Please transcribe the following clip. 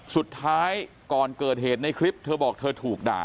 สุดท้ายก่อนเกิดเหตุในคลิปเธอบอกเธอถูกด่า